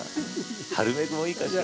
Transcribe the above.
春メグもいいかしら。